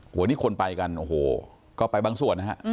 วันนี้คนไปกันโอ้โหก็ไปบางส่วนนะฮะ